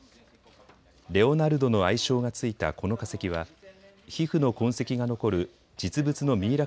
レオナルドの愛称が付いたこの化石は皮膚の痕跡が残る実物のミイラ